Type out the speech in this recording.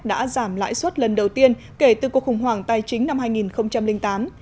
đã giảm lãi suất lần đầu tiên kể từ cuộc khủng hoảng tài chính năm hai nghìn tám